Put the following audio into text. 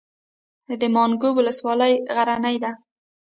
د ماڼوګي ولسوالۍ غرنۍ ده